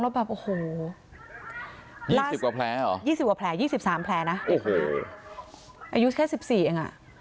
แล้วแบบโอ้โหยี่สิบกว่าแพลยี่สิบสามแพลนะอาโหอายุแค่สิบสี่เห็นค่ะ